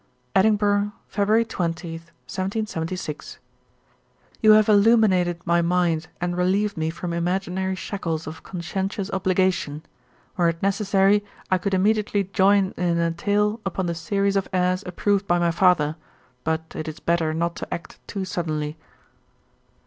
'Edinburgh, Feb. 20, 1776. 'You have illuminated my mind and relieved me from imaginary shackles of conscientious obligation. Were it necessary, I could immediately join in an entail upon the series of heirs approved by my father; but it is better not to act too suddenly.'